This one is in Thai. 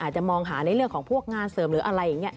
จะมองหาในเรื่องของพวกงานเสริมหรืออะไรอย่างนี้